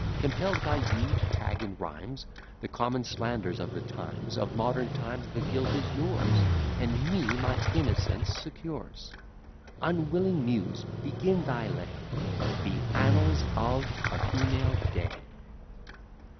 Compell'd by you to tag in rhymes The common slanders of the times, Of modern times, the guilt is yours, And me my innocence secures. Unwilling Muse, begin thy lay, The annals of a female day.